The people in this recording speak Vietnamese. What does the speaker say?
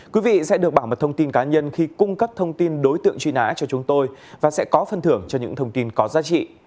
quý vị sẽ được bảo mật thông tin cá nhân khi cung cấp thông tin đối tượng truy nã cho chúng tôi và sẽ có phân thưởng cho những thông tin có giá trị